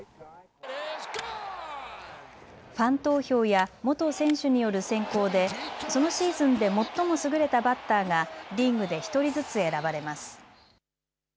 ファン投票や元選手による選考でそのシーズンで最も優れたバッターがリーグで１人ずつ選ばれます。